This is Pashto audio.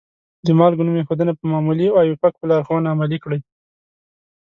د مالګو نوم ایښودنه په معمولي او آیوپک په لارښودنه عملي کړئ.